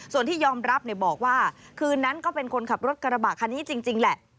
ส่วนที่ยอมรับบอกว่าคืนนั้นก็เป็นคนขับรถกระบะคันนี้จริงแหละ